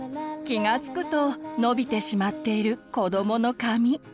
気がつくと伸びてしまっている子どもの髪。